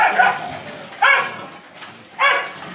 สวัสดีทุกคน